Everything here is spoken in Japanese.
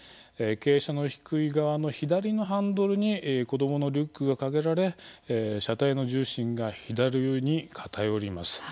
傾斜の低い側の左のハンドルに子供のリュックがかけられ車体の重心が左寄りに片寄ります。